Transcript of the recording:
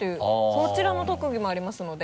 そちらの特技もありますので。